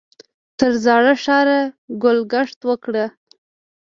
تر زاړه ښاره ګل ګشت وکړ.